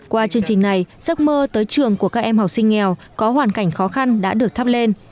qua chương trình này giấc mơ tới trường của các em học sinh nghèo có hoàn cảnh khó khăn đã được thắp lên